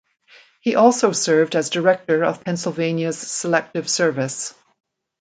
He also served as director of Pennsylvania’s Selective Service.